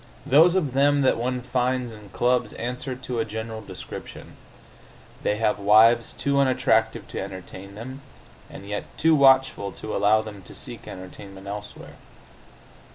Those of them that one finds in clubs answer to a general description: they have wives too unattractive to entertain them, and yet too watchful to allow them to seek entertainment elsewhere.